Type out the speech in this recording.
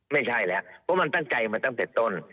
ไม่ใช่แล้วเพราะมันตั้งใจมาตั้งแต่ต้น